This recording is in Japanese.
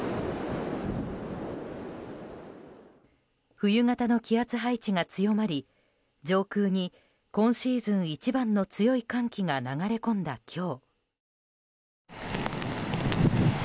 冬型の気圧配置が強まり、上空に今シーズン一番の強い寒気が流れ込んだ今日。